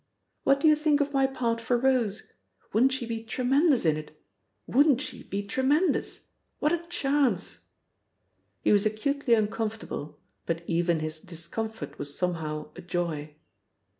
"What do you think of my part for Rose? Wouldn't she be tremendous in it? Wouldn't she be tremendous? What a chance!" He was acutely uncomfortable, but even his discomfort was somehow a joy.